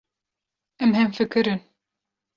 Em hemfikir in.